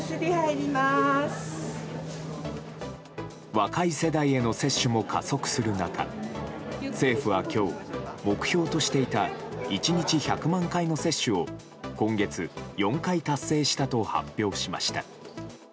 若い世代への接種も加速する中政府は今日、目標としていた１日１００万回の接種を今月４回達成したと発表しました。